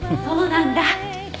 そうなんだ。